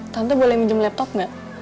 tante boleh minjem laptop nggak